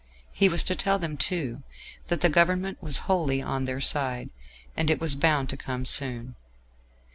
He was to tell them, too, that the Government was wholly on their side; that it was bound to come soon.